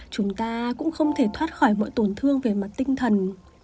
chúng ta cũng không thể thoát khỏi mọi tổn thương về mặt tinh thần